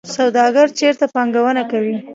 سوداګر چیرته پانګونه کوي؟